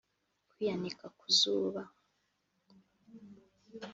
Kwiyanika ku zuba